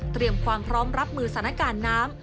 เตรียมความพร้อมรับมือสถานการณ์น้ำ